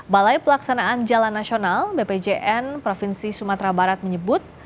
balai pelaksanaan jalan nasional bpjn provinsi sumatera barat menyebut